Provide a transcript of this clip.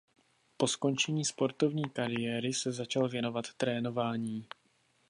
Po skončení sportovní kariéry se začal věnovat trénování.